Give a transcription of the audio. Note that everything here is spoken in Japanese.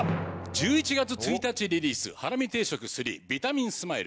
１１月１日リリース『ハラミ定食３ビタミンスマイル！』。